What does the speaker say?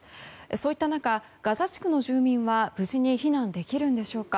そういった中、ガザ地区の住民は無事に避難できるんでしょうか。